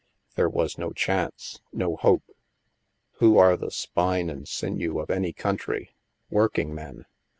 There was no chance, no hope. Who are the spine and sinew of any country? Working men.